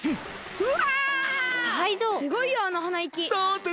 うわ！